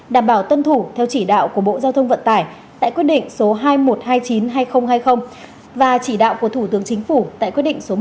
đảm bảo tân thủ theo chỉ đạo của bộ giao thông vận tải tại quyết định số hai một hai chín hai không hai không và chỉ đạo của thủ tướng chính phủ tại quyết định số một mươi chín